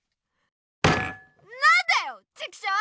なんだよチクショウ！